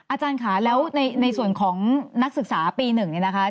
อาจารย์ค่ะแล้วในส่วนของนักศึกษาปี๑เนี่ยนะคะ